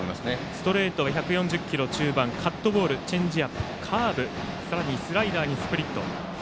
ストレート１４０キロ中盤カットボール、チェンジアップカーブ、スライダーにスプリット。